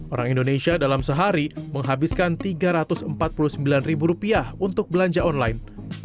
orang indonesia dalam sehari menghabiskan rp tiga ratus empat puluh sembilan untuk belanja online